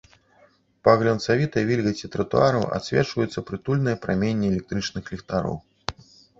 Па глянцавітай вільгаці тратуараў адсвечваюцца прытульныя праменні электрычных ліхтароў.